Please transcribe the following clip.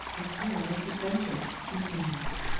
A PERILOUS ADVENTURE. (Continued.)